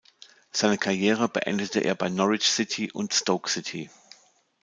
Seine Karriere beendete er bei Norwich City und Stoke City.